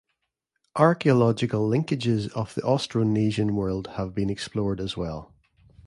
Archaeological linkages of the Austronesian world have been explored as well.